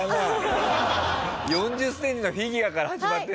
４０センチのフィギュアから始まってるんでしょ？